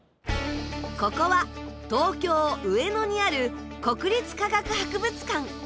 ここは東京・上野にある国立科学博物館。